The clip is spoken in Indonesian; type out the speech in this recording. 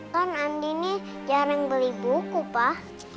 kan andini jarang beli buku pak